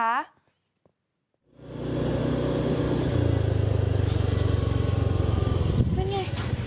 นั่นไง